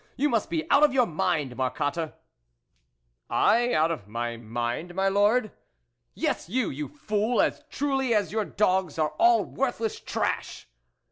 You must be out of your mind, Marcotte !"" I, out of my mind, my Lord ?" "Yes, you, you fool, as truly as your dogs are all worthless trash